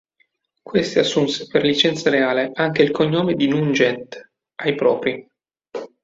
Questi assunse per licenza reale anche il cognome di Nugent ai propri.